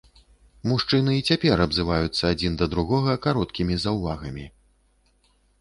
Мужчыны і цяпер абзываюцца адзін да другога кароткімі заўвагамі.